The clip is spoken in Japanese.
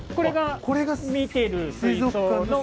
これが見てる水槽の。